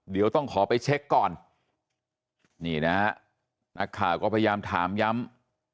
เดี๋ยวต้องขอไปเช็คก่อนนี่นะฮะนักข่าวก็พยายามถามย้ำ